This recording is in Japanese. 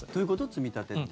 積み立てって。